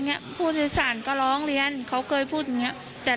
เราก็ว่าเรามาทำมาหากินแล้วไม่ต้องไปมีเรื่องเมื่อก่อนเช่าเห็นพี่เขามาบอกว่าเช่า